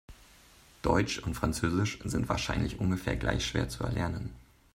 Deutsch und Französisch sind wahrscheinlich ungefähr gleich schwer zu erlernen.